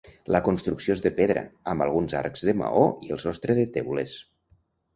La construcció és de pedra, amb alguns arcs de maó i el sostre de teules.